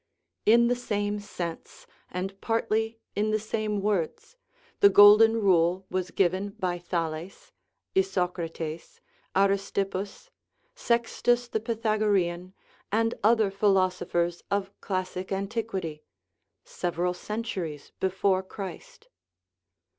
In the same sense, and partly in the same words, the Golden Rule was given by Thales, Isocrates, Aristippus, Sextus, the Pythagorean, and other philosophers of classic antiquity several cen turies before Christ.